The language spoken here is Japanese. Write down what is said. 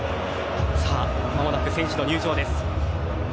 さあ、まもなく選手の入場です。